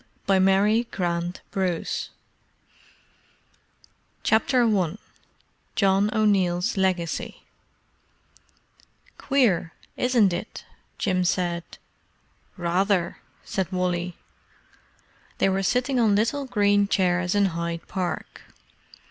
All Clear CAPTAIN JIM CHAPTER I JOHN O'NEILL'S LEGACY "Queer, isn't it?" Jim said. "Rather!" said Wally. They were sitting on little green chairs in Hyde Park.